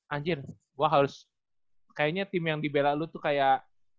anjir gue harus kayaknya tim yang dibela lu tuh kayak